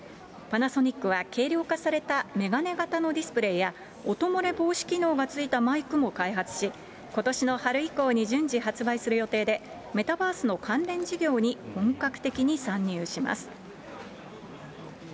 パナソニックは軽量化された眼鏡型のディスプレイや音漏れ防止機能が付いたマイクも開発し、ことしの春以降に順次、発売する予定で、メタバースの関連事業に本格的に参入します。